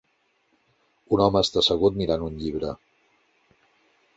Un home està assegut mirant un llibre.